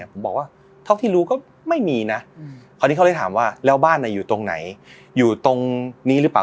ผมบอกว่าเท่าที่รู้ก็ไม่มีนะคราวนี้เขาเลยถามว่าแล้วบ้านอยู่ตรงไหนอยู่ตรงนี้หรือเปล่า